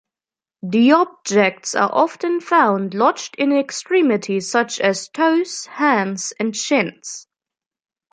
The objects are often found lodged in extremities such as toes, hands and shins.